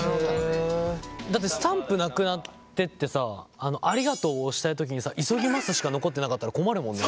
だってスタンプ無くなってってさありがとうを押したい時にさ急ぎますしか残ってなかったら困るもんね。